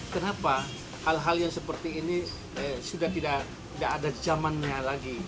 kenapa hal hal yang seperti ini sudah tidak ada zamannya lagi